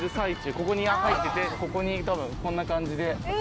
ここに入っててここに多分こんな感じで。